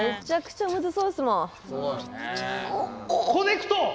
ココネクト！